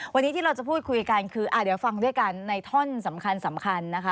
วันนี้ที่เราจะพูดคุยกันคือเดี๋ยวฟังด้วยกันในท่อนสำคัญสำคัญนะคะ